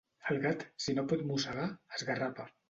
El gat, si no pot mossegar, esgarrapa.